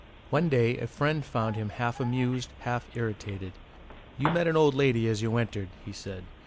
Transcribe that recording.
One day a friend found him half amused, half irritated. "You met an old lady as you entered," he said.